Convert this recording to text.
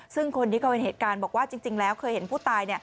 ซึ่งคนที่เขาเห็นเหตุการณ์บอกว่าจริงแล้วเคยเห็นผู้ตาย